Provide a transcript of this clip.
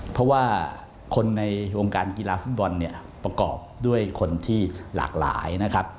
เพราะว่าคนในวงการกีฬาฟุตบอลเนี่ยประกอบด้วยคนที่หลากหลายนะครับ